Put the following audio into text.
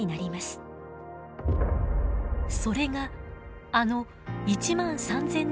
それがあの１万３，０００年以上前の殺戮。